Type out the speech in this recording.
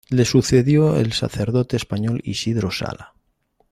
Le sucedió el sacerdote español Isidro Sala.